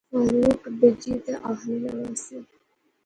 فاروق بیجی تے آخنے لاغیس